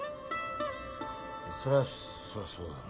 そりゃそりゃそうだろ